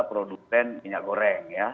produksen minyak goreng ya